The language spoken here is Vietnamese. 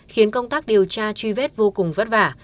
khiến công tác điều tra truy vết vô cùng vất vả